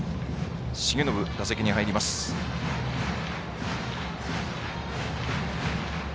重信が打席に入ります。